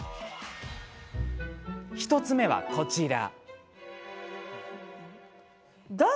１つ目は、こちら。